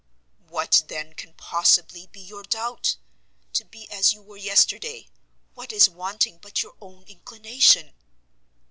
"What, then, can possibly be your doubt? To be as you were yesterday what is wanting but your own inclination?"